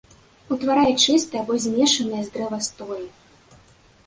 Утварае чыстыя або змешаныя з дрэвастоі.